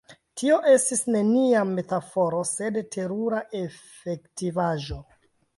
Tio estis nenia metaforo, sed terura efektivaĵo.